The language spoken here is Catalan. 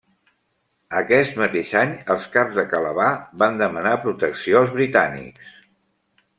Aquest mateix any els caps de Calabar van demanar protecció als britànics.